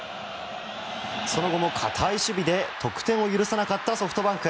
その後も堅い守備で得点を許さなかったソフトバンク。